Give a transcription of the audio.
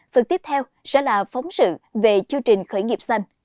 phần tiếp theo sẽ là phóng sự về chương trình khởi nghiệp xanh